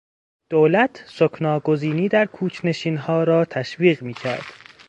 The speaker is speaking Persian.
دولت سکنی گزینی در کوچ نشینها را تشویق میکرد.